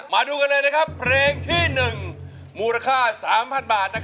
มาดูกันเลยนะครับเพลงที่๑มูลค่า๓๐๐๐บาท